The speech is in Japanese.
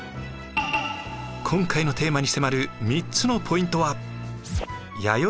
今回のテーマに迫る３つのポイントは。